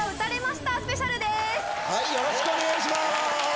よろしくお願いします！